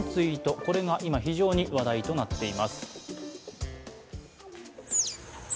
これが今、非常に話題となっています。